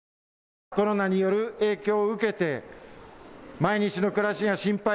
コロナによる影響を受けて毎日の暮らしが心配。